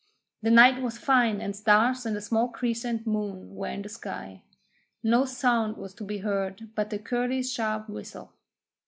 The night was fine, and stars and a small crescent moon were in the sky. No sound was to be heard but the curlew's sharp whistle.